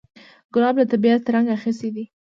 ګلاب له طبیعته رنګ اخیستی دی.